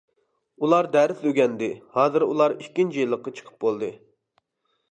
ئۇلار دەرس ئۆگەندى، ھازىر ئۇلار ئىككىنچى يىللىققا چىقىپ بولدى.